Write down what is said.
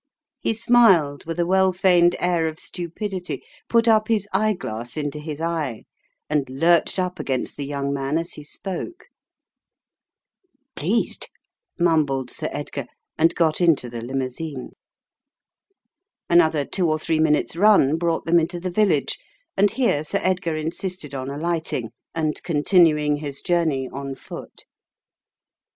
He smiled with a well feigned air of stupidity, put up his eyeglass into his eye, and lurched up against the young man as he spoke. "Pleased," mumbled Sir Edgar, and got into the limousine. Another two or three minutes' run brought them into the village, and here Sir Edgar insisted on alighting, and continuing his journey on foot.